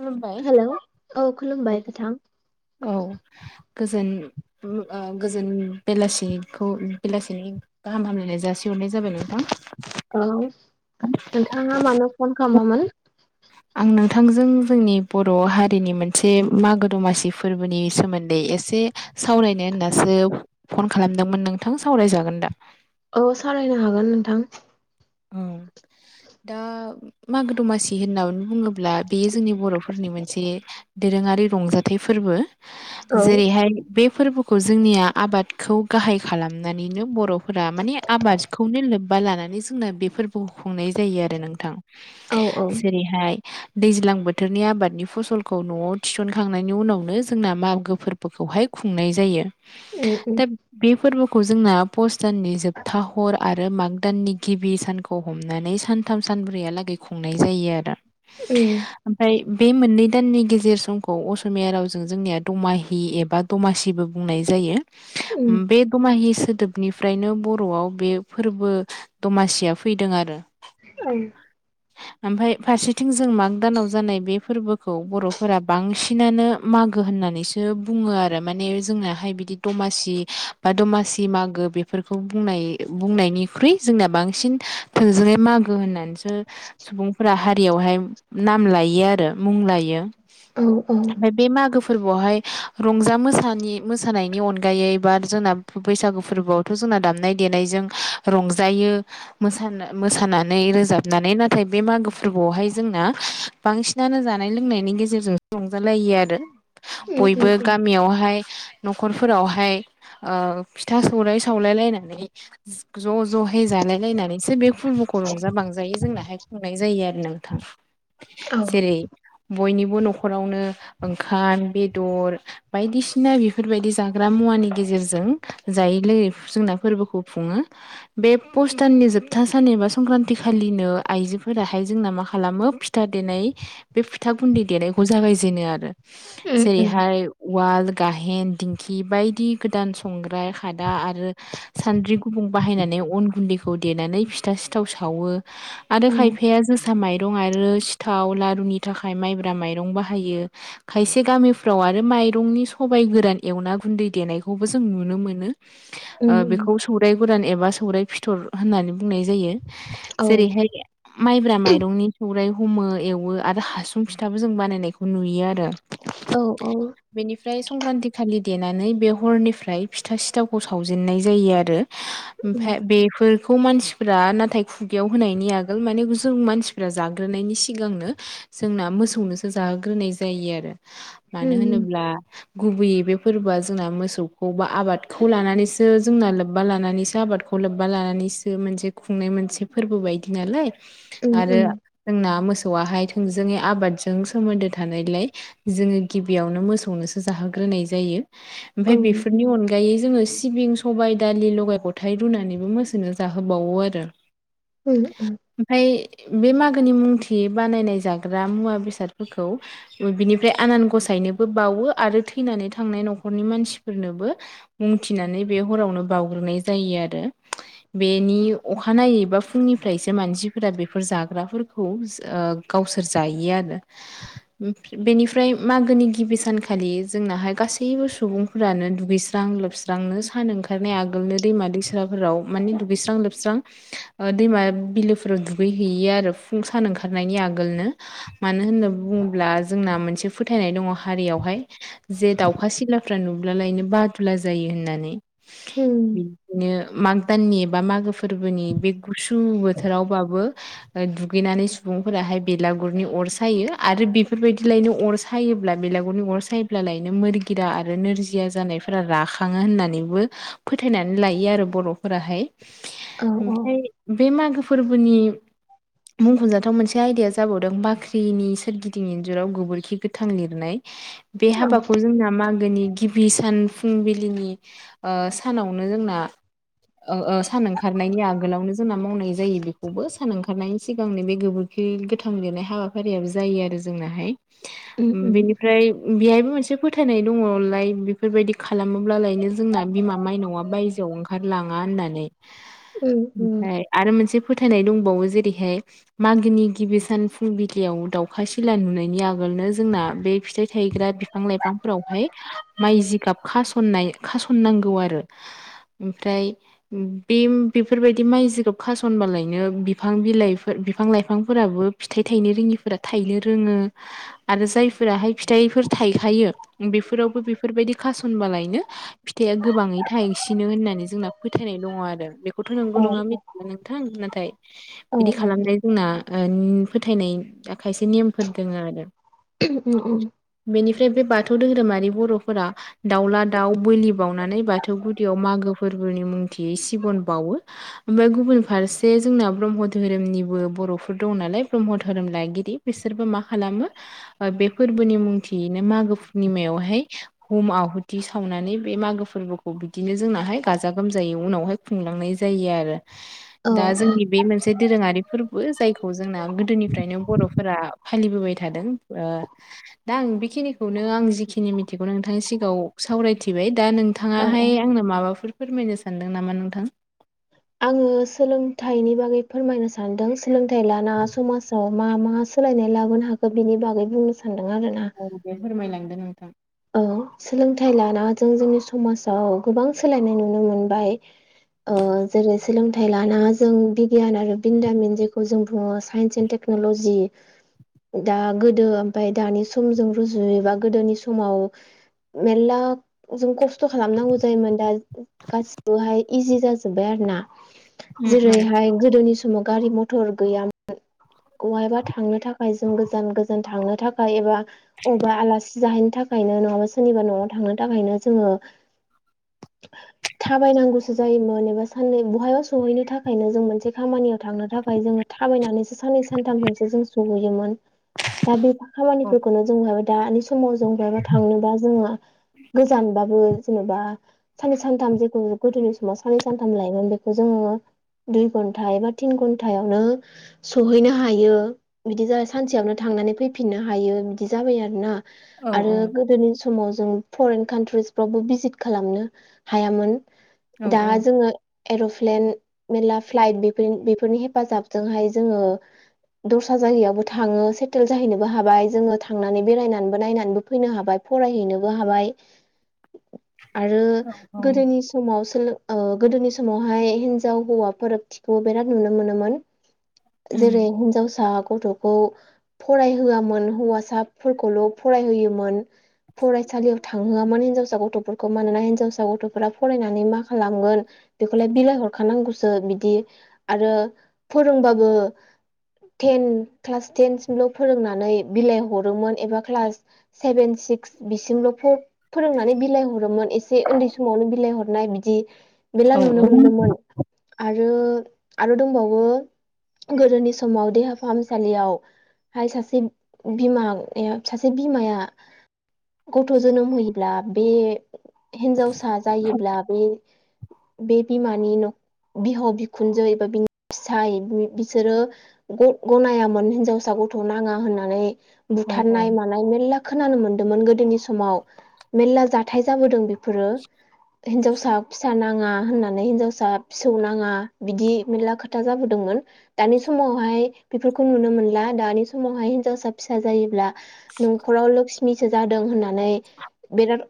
खुलुमबाय हेलौ औ खुलुमबाय नोंथां औ गोजोन उम ओ गोजोन बेलासिखौ बेलासिनि गाहाम हामलायनाय जासिहरनाय जाबाय नोंथां। औ नोंथाङा मानो फन खामामोन? आं नोंथांजों जोंनि बर' हारिनि मोनसे मागो दमासि फोरबोनि सोमोन्दै एसे सावरायनो होननासो फन खालामदोंमोन नोंथां सावरायजागोन दा? औ सावरायनो हागोन नोंथां। ओम दा मागो दमासि होननानै बुङोब्ला बेयो जोंनि बर'फोरनि मोनसे दोरोङारि रंजाथाइ फोरबो औ जेरैहाय बे फोरबोखौ जोंनिया आबादखौ गाहाइ खालामनानैनो बर'फोरा माने आबाद खौनो लोबबा लानानै जोंना बे फोरबोखौ खुंनाय जायो आरो नोंथां औ औ जेरैहाय दैज्लां बोथोरनि आबादनि फसलखौ न'आव थिसनखांनायनि उनावनो जोंना मागो फोर बोखौहाय खुंनाय जायो। उम उम। दा बे फोरबोखौ जोंना पुष दाननि जोबथा हर आरो माग दाननि गिबि सानखौ हमनानै सानथाम सानब्रैहालागै खुंनाय जायो आरो। उम आमफाय बे मोननै दाननि गेजेर समखौ असमिया रावजों जोंनिया दमाहि एबा दमासिबो बुंनाय जायो। उम बे दमाहि सोदोबनिफ्रायनो बर'आव बे फोरबो दमासिया फैदों आरो। ओं [inaudible] ओमफाय फारसेथिं जों माग दानाव जानाय बे फोरबोखौ बर'फोरा बांसिनानो मागो होननानैसो सो बुङो आरो माने जोंनाहाय बिदि दमासि बा दमासि मागो बेफोरखौ बुंनाय बुंनायनिख्रुइ जोंना बांसिन थोंजोङै मागो होननानैसो सुबुंफोरा हारियावहाय नाम लायो आरो मुं लायो औ उम आमफाय बे मागो फोरबोआवहाय रंजा मोसानि मोसानायनि अनगायैबो आरो जोंना बैसागु फोरबोआवथ' जोंना दामनाय देनायजों रंजायो मोसानो मोसानानै रोजाबनानै नाथाय बे मागो फोरबोआवहाय जोंना बांसिनानो जानाय लोंनायनि गेजेरजोंसो रंजालायो आरो। उम बयबो उम गामियावहाय न'खरफोरावहाय ओ फिथा सौराय सावलायलायनानै ज' ज' हाय जालायलायनानैसो बे फोरबोखौ रंजा बांजायो जोंनाहाय। बुंनाय जायो आरो नोंथां। औ। जेरै बयनिबो न'खरावनो ओंखाम बेदर बायदिसिना बेफोरबायदि जाग्रा मुवानि गेजेरजों जायै लोङै जोंना फोरबोखौ खुङो। बे पुस दाननि जोबथा सान एबा संक्रान्ति खालिनो आइजोफोराहाय जोंना मा खालामो पि था देनाय बे फिथा गुन्दै देनायखौ जागायजेनो आरो उम उम जेरैहाय उवाल गाहेन दिंखि बायदि गोदान संग्राय खादा आरो सान्द्रि गुबुं बाहायनानै गुदिखौ देनानै फिथा सिथाव सावो आरो औ खायफाया जो सा माइरं आरो सिथाव लारुनि थाखाय माइब्रा माइरं बाहायो। खायसे गामिफ्राव आरो माइरंनि सबायाइ गोरान एवना गुन्दै देनायखौबो जों नुनो मोनो। उम उम बेखौ सौराय गोरान एबा सौराय फिथर होननानै बुंनाय जायो। औ जेरैहाय माइब्रा माइरंनि सौराइ हमो एवो आरो हासुं फिथाबो जों बानायनायखौ नुयो आरो औ औ। बेनिफ्राय संक्रान्ति खालि देनानै बे हरनिफ्राय फिथा सिथावखौ सावजेननाय जायो आरो। उम ओमफ्राय बेफोर खौ मानसिफ्रा नाथाय खुगायाव होनायनि आगोल माने जों मानसिफ्रा जाग्रोनायनि सिगांनो जोंना मोसौनोसो जाहोग्रोनाय जायो आरो मानो होनोब्ला गुबैयै बे फोरबोआ जोंना मोसौखौ बा आबादखौ लानानैसो जोंना लोब्बा लानानैसो आबादखौ लोब्बा लानानैसो मोनसे खुंनाय मोनसे फोरबो बायदि नालाय उम आरो उम जोंना मोसौआाहाय थोंजोङै आबादजों सोमोन्दो थानायलाय जोङो गिबियावनो मोसौनोसो जाहोग्रोनाय जायो। औ ओमफफ्राय बेफोरनि अनगायै जोङो सिबिं सबाय दालि लगाय लथ हथाय मोसौनो जाहोबावो आरो। उम ओमफफ्राय बे मागोनि मुंथि बानायनाय जाग्रा मुवा बेसादफोरखौ बिनिफ्राय आनान गसायनोबो बावो आरो थैनानै थांनाय न'खरनि मानसिफोरनोबो मुंथिनानै बे हरावनो बावउग्रोनाय जायो आरो बेनि अखानायै बा फुंनिफ्रायसो मानसिफोरा बेफोर जाग्रा खौ गावसोर जायोआनो बेनिफ्राय मागोनि गिबि सानखालि जोंनाहाय गासैबो सुबुं फोरानो दुगैस्रां लोबस्रांनो सान ओंखारनाय आगोलनो दैमा दैसाफोराव माने दुगैस्रां लोबस्रां दैमा बिलोफोराव दुगै हैैयो आरो फुं सान ओंखारनायनि आगोलनो मानो होननानै बुङोब्ला जोंना मोनसे फोथायनाय दङ हारियावहाय जे दाउखा सिलाफ्रा नुब्लालायनो बादुला जायो होननानै उम बिदिनो माग दाननि बा मागो फोरबोनि बे गुसु बोथोरावबाबो दुगैनानै सुबुंफोराहाय बेलागुरनि अर सायो आरो बेफोरबायदिलायनो अर सायो सायोब्ला बेलागुरनि अर सायोब्लालायनो मोरगिदा आरो नोरजिया जानायफोरा राखा खाङो होननानैबो फोथायनानै लायो आरो बर'फोराहाय औ ओमफ्राय औ बे मागो फोरबोनि मुंख'जाथाव मोनसे आयदाया जाबावदों बाख्रिनि सोरगिदिं इन्जुराव गोबोरखि गोथां लिरनाय बे उम हाबाखौ जोंना मागोनि गिबि सान फुंबिलिनि ओ सानावनो जोंना ओ ओ सान ओंखारनायनि आगोलावनो जोंना मावनाय जायो बेखौबो सान ओंखारनायनि सिगांनो बे गोबोर खि गोथां लिरनाय हाबाफारियाबो जायो आरो जोंनाहाय उम बेनिफ्राय बेहायबो मोनसे फोथायनाय दङलाय बेफोरबायदि खालामोब्लालायनो जोंना बिमा माइनावआ बायजोआव ओंखारलाङा होननानै उम उम ओमफ्राय आरो मोनसे फोथायनाय दंबावो जेरैहाय मागोनि गिबि सान फुंबिलियाव दाउखा सिला नुनायनि आगोलनो जोंना बे फिथाइ थायग्रा फि बिफां लाइफांफोरावहाय माइ जिगाब खासननाय खासननांगौ आरो ओमफ्राय बे बेफोरबायदि माइ जिखौ खास'नबालायनो बिफां बिलाइफोर बिफां लाइफांफोराबो फिथाइ थायनो रोङिफोरा थायनो रोङो आरो जायफोराहाय फिथाइफोर थाइखायो बेफोरावबो बेफोरबायदि खासनबालायनो फिथाइआ गोबाङै थाइसिनो होननानै जोंना फोथायनाय दङ आरो बेखौथ' औ नंगौ नङा औ मिथिला थों नाथाय बिदि उम खालामनाय जोंना फोथायनाय खायसे नेमफोर दङ आरो ओम ओम बेनिफ्राय बे बाथौ धोरोमारि बर'फोरा दाउला दाउ बोलि बावनानै बा थौ गुदियाव मागो फोरबोनि मुंथियै सिबन बावो ओमफ्राय गुबुन फारसे जोंना ब्रह्म धोरोमनिबो बर'फोर दं नालाय ब्रह्म धोरोम लागिरि बिसोरबो मा खालामो बे फोरबोनि मुंथियैनो मागो पुर्निमायावहाय हुम आहुथि सावनानै बे मागो फोरबोखौ बिदिनो जोंनाहाय गाजा गोमजायै उनावहाय खुंलांनाय जायो आरो दा औ जोंनि बे मोनसे दोरोङारि फोरबो जायखौ जोंना गोदोनिफ्रायनो बर'फोरा फालिबोबाय थादों ओ दा आं बेखिनिखौनो आं जिखिनि मिथिगौ नोंथांनि सिगाङाव सावरायथिबाय दा नोंथां औ औ नोंथाङाहाय आंनो माबाफोर फोरमायनो सानदों नामा नोंथां आङो सोलोंथाइनि बागै फोरमायनो सानदों सोलोंथाइ लाना समाजाव मा मा सोलायनाय लाबोनो हाखो बिनि बागै बुंनो सानदों आरोना औ दे फोरमायलांदो नोंथां औ सोलोंथाइ लाना जों जोंनि समाजाव गोबां सोलायनाय नुनो मोनबाय ओ जेरै सोलोंथाइ लाना जों बिगियान आरो बिन्दामिन जेखौ जों बुङो साइन्स एन्ट टेक- नलजि दा गोदो ओमफ्राय दानि समजों रुजुयोबा गोदोनि सम समाव मेनला जों खस्थ' खालामनांगौ जायोमोन दा गासिबोहाय इजि जाजोबबाय आरो ना उम औ जेरैहाय गोदोनि समाव गारि म- मटर गैयामोन बहायबा थांनो थाखाय जों गोजान गोजान थांनो थाखाय एबा बबेबा आलासि जाहैनो थाखायनो नङाबा सोरनिबा न'आव थांनो थाखायनो जोङो [inaudible] थाबायनांगौसो जायोमोन एबा साननै बहायबा सहैनो थाखायनो जों मोनसे खामानियाव थांनो थाखाय जोङो थाबायनानैसो साननै सानथामजोंसो जों सहैयोमोन। दा बेफोर खामानिफोरखौनो जों बहायबा दानि समाव जों बहाबा थांनोबा जोङो गोजानबाबो जेनेबा साननै सानथाम जेखौ गोदोनि समाव साननै सानथाम लायोमोन बेखौ जोङो दुइ घन्टा एबा थिन घन्टायावनो सहैनो हायो। बिदि जा सानसेयावनो थांनानै फैफिननो हायो बिदि जाबाय आरोना औ आरो गोदोनि समाव जों फरेन कान्ट्रिस फावबो भिजिट खालामनो हायामोन। औ दा जोङो एर'प्लेन मेरला फ्लाइट बेफोर बेफोरनि हेफाजाबजोंहाय जोङो दस्रा जायगायावबो थाङो सेटेल जाहैनोबो हाबाय जोङो थांनानै बेरायनानैबो नायनानैबो फैनो हाबाय फरायहैनोबो आरो औ गोदोनि समाव सोलो ओ गोदोनि समावहाय हिनजाव हौवाफोर थिखौ बिराद नुनो मोनोमोन जेरै उम हिनजावसा गथ' खौ फरायहोआमोन हौवासाफोरखौल' फरायहोयोमोन। फरायसालियाव थांहोआमोन हिनजावसा गथ'फोरखौ मानोना हिनजावसा गथ'फोरा फरायनानै मा खालामगोन बेखौलाय बिलाय हरखानांगौसो बिदि आरो फोरोंबाबो टेन क्लास टेन सिमल' फोरोंनानै बिलाइ हरोमोन एबा क्लास सेभेन सिक्स बिसिमल' फ फोरोंनानै बिलाइ हरोमोन एसे उन्दै समावनो बिलाय हरनाय बिदि औ मेला नुनो मोन्दोंमोन आरो आरो दंबावो गोदोनि समाव देहा फाहामसालियाव हाय सासे बिमा या सासे बिमाया गथ' जोनोम होयोब्ला बे हिनजावसा जायोब्ला बे बे बिमानि न बिहाव बिखुनजो एबा बिनि फिसाय बिसोरो ग गनायामोन हिनजावसा गथ' नाङा होननानै औ बुथारनाय मानाय मेलला खोनानो मोन्दोंमोन गोदोनि समाव मेलला जाथाय जाबोदों बे फोरो हिनजावसा फिसा नां नाङा होननानै हिनजावसा फिसौ नाङा बिदि मेरला खोथा जाबोदोंमोन। दानि समावहाय बेफोरखौ नुनो मोनला दानि समावहाय हिनजावसा फिसा जायोब्ला [inaudible] खराव लोक्ष्मिसो जादों होननानै बिराद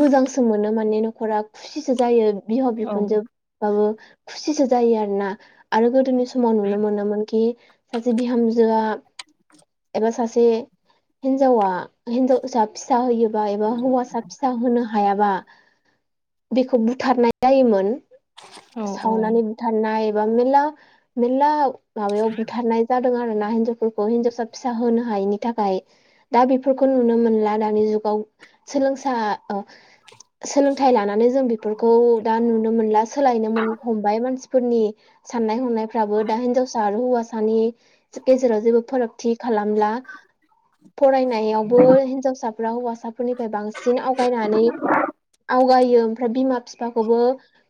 मोजांसो मोनो माने न'खरा खुसिसो जायो बिहाव बिखुनजो बाबो खुसिसो जायो आरो ना आरो गोदोनि समाव नुनो मोनोमोन कि सासे बिहामजोआ एबा सासे हिनजावा हिनजावसा फिसा होयोबा एबा हौवासा फिसा होनोनो हायाबा बेखौ बुथारनाय जायोमोन। औ सावनानै बुथारनाय एबा मेला मेला माबायाव बुथारनाय जादों आरो हिनजावफोरखौ हिनजावसा फिसा होनो हायिनि थाखाय दाबेफो फोरखौ नुनो मोनला दानि जुगाव सोलोंसा अ सोलोंथाइ लानानै जों बेफोरखौ दा नुनो मोनला सोलायनोमोन हमबाय मानसिफोरनि साननाय हनायफ्राबो दा हिनजावसा आरो हौवासा हानि गेजेराव जेबो फारागथि खालामला फरायनाय बो हिनजावसाफ्रा हौवासाफोरनिफ्राय बांसिन आवगायनानै आवगायो फ्राय बिमा बिफाखौबो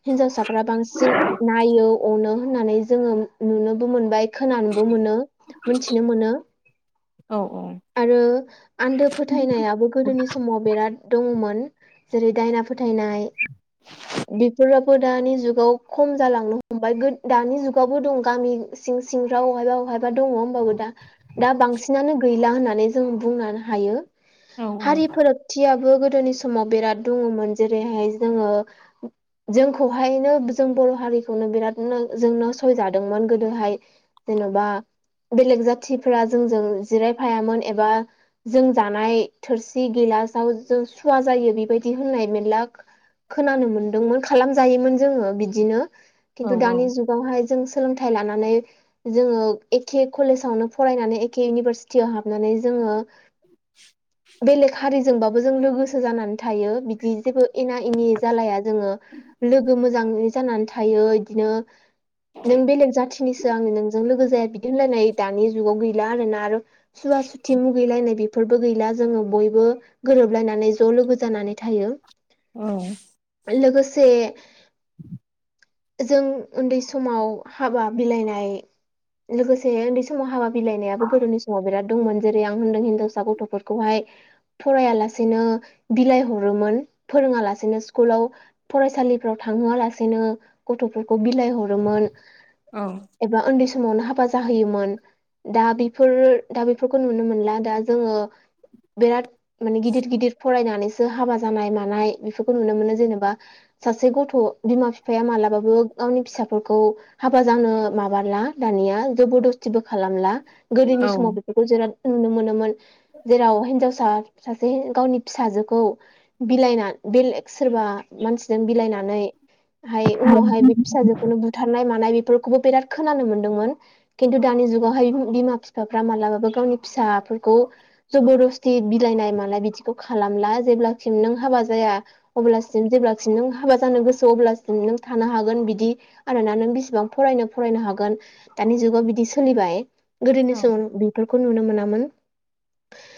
हिनजावसाफ्रा बांसिन नायो अनो होननानै जोङो नुनोबो मोनबाय। खोनानोबो मोनो मोनथिनो मोनो औ औ आरो आन्दो फोथायनायाबो गोदोनि समाव बिराद दङमोन जेरै दायना फोथायनाय बिफोरो फो दानिजुगाव खम जालांनो हमबाय गो दानि जुगावबो दङ गामि सिं सिं सिंफ्राव अहायबा अहायबा दङ होमबाबो दा दा बांसिनानो गैला होननानै जों बुंना हायो हारिफोर थियाबो गोदोनि समाव बिराद दङमोन जेरैहाय जोङो [inaudible] जोंखौहायनो जों बर' हारिखौनो बिरादनो जों नासयजादोंमोन गोदोहाय। जेन'बा बेलेग जाथिफ्रा जोंजों जिरायफायामोन एबा जों जानाय थोरसि गिलासाव जों सुवा जायो बेबायदि होननाय मेरला खो खोनानो मोनदोंमोन खालामजायोमोन जोङो बिदिनो। खिन्थु दानि जुग गावहाय जों सोलोंथाइ लानानै जोङो एखे कलेजावनो फरायनानै एखे इउनिभारसिटियाव हाबनानै जोङो [inaudible] बेलेग हारि जोंबाबो जों लोगोसो जानानै थायो बिदि जेबो एना एनि जालाया जोङो। लोगो मोजाङै जानानै थायो इदिनो नों बेलेग जाथिनिसो आं नोंजों लोगो जाया बिदि होनलायनाय दानि जुगाव गैला आरोना। आरो सुवा सुथि मुगैलायनाय बि बो गैला जोङो बयबो गोरोबलायनानै ज' लोगो जानानै थायो। औ। लोगोसे जों उन्दै समाव हाबा बिलाइनाय। लोगोसे उन्दै समाव हाबा बिलाइनायाबो गोदोनि समाव बिराद दंमोन जेरै आं होनदों हिनजावसा गथ'फोरखौहाय फराया लासेनो बिलाइ हरोमोन, फोरोङा लासेनो स्कुलाव फरायसालिफ्राव थांहोआ लासेनो गथ'फोरखौ बिलाइ हरोमोन। औ। एबा उन्दै समावनो हाबा जाहोयोमोन, दा बेफोर दा बेफोरखौ नुनो मोनला दा जोङो बिराद माने गिदिर गिदिर फरायनानै सो सो हाबा जानाय मानाय बेफोरखौ नुनो मोनो‌। जेनेबा सासे गथ' बिमा बिफाया मालाबाबो गावनि फिसाफोरखौ हाबा जानो माबाला दानिया जबोरदस्तिबो खालामला। औ गोदोनि औ समाव बेफोरखौ जेराद नुनो मोनोमोन। जेराव हिनजावसा सासे गावनि फिसाजोखौ बिलाइना बेलेग सोरबा मानसिजों बिलायनानैहाय उनावहाय बे फिसाजोखौनो बुद बुथारनाय मानाय बेफोरखौबो बिराद खोनानो मोन्दोंमोन। खिन्थु दानि जुगावहाय बिमा बिफाफ्रा मालाबाबो गावनि फिसाफोर खौ जबरदस्ति बिलाइनाय मानाय बिदिखौ खालामला। जेब्लासिम नों हाबा जाया अब्लासिम जेब्लासिम नों हाबा जानो गोसो अब्लासिम नों थानो हागोन बिदि आरोना नों बिसिबां फरायनो फरायनो हागोन दानि जुगाव बिदि सोलिबाय। औ गोदोनि समाव बेफोरखौ नुनो मोनामोन।